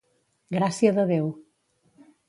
Gràcia de Déu.